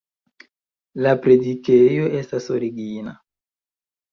La predikejo estas origina.